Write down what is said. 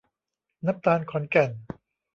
น้ำตาลขอนแก่น